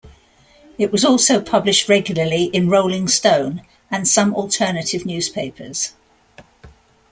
It was also published regularly in "Rolling Stone" and some alternative newspapers.